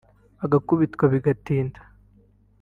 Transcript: ugakubitwa bigatinda